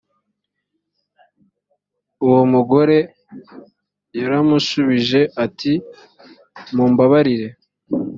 uwo mugore yaramushubije ati mumbabarire